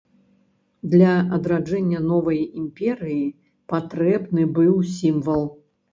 Для адраджэння новай імперыі патрэбны быў сімвал.